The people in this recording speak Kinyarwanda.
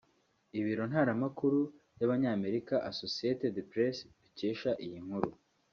Ibiro ntaramakuru by’Abanyamerika; Associated Press dukesha iyi nkuru